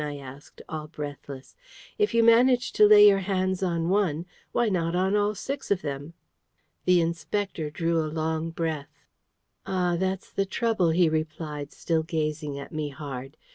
I asked, all breathless. "If you managed to lay your hands on one, why not on all six of them?" The Inspector drew a long breath. "Ah, that's the trouble!" he replied, still gazing at me hard.